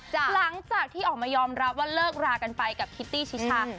หลังจากที่ออกมายอมรับว่าเลิกรากันไปกับคิตตี้ชิชา